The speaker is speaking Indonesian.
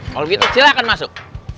kalo gitu silahkan masuk